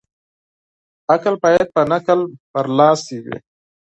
عقل بايد په نقل برلاسی وي.